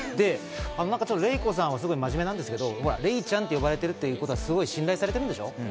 レイコさんは真面目なんですけど、レイちゃんって呼ばれてるってことは信頼されてるんでしょ。